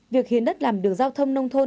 việc khiến đất làm đường giao thông nông thôn